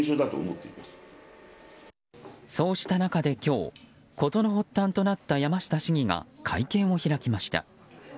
そうした中で今日事の発端となった山下市議が会見を開きました。